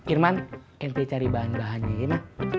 irman ente cari bahan bahannya ya bang